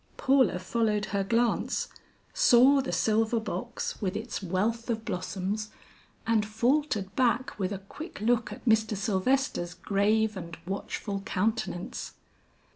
Paula followed her glance, saw the silver box with its wealth of blossoms, and faltered back with a quick look at Mr. Sylvester's grave and watchful countenance.